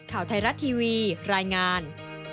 ข่าวไทยรัฐทีวีรายงาน